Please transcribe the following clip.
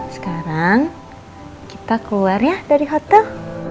sekarang kita keluar ya dari hotel